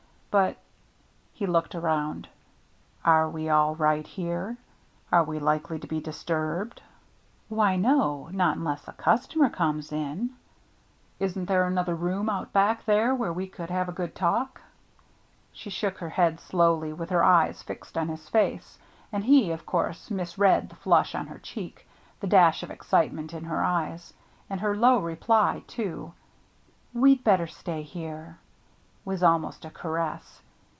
But "— he looked around —" are we all right here ? Are we likely to be disturbed ?"" Why, no, not unless a customer comes in." 66 THE MERRT ANNE "Isn't there another room out back there where we can have a good talk ?" She shook her head slowly, with her eyes fixed on his face. And he, of course, misread the flush on her cheek, the dash of excitement in her eyes. And her low reply, too, " We'd better stay here," was almost a caress.